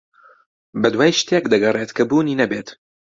بەدوای شتێک دەگەڕێت کە بوونی نەبێت.